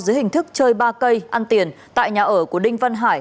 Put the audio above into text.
dưới hình thức chơi ba cây ăn tiền tại nhà ở của đinh văn hải